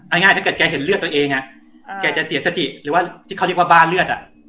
ง่ายถ้าเกิดแกเห็นเลือดตัวเองแกจะเสียสติหรือว่าที่เขาเรียกว่าบ้าเลือด